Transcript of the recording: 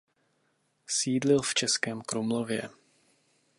Sídlil v Českém Krumlově.